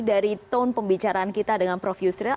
dari tone pembicaraan kita dengan prof yusril